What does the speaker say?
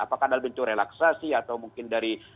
apakah dalam bentuk relaksasi atau mungkin dari